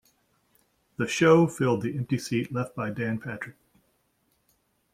The show filled the empty seat left by Dan Patrick.